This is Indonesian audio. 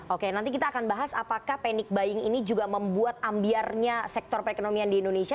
oke nanti kita akan bahas apakah panic buying ini juga membuat ambiarnya sektor perekonomian di indonesia